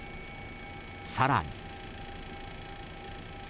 更に。